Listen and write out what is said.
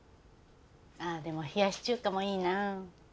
あっでも冷やし中華もいいな。